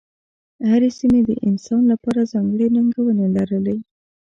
هرې سیمې د انسان لپاره ځانګړې ننګونې لرلې.